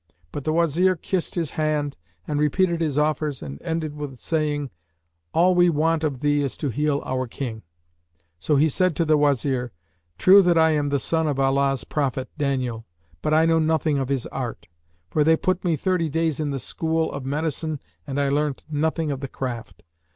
But the Wazir kissed his hand and repeated his offers and ended with saying, "All we want of thee is to heal our King:" so he said to the Wazir, "True that I am the son of Allah's prophet, Daniel, but I know nothing of his art: for they put me thirty days in the school of medicine and I learnt nothing of the craft.